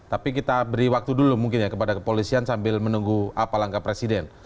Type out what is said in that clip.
tapi kita beri waktu dulu mungkin ya kepada kepolisian sambil menunggu apa langkah presiden